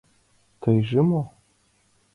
Тыйже мо?